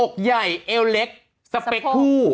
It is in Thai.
อกใหญ่เหล็กเชิดข้างสเปคผู้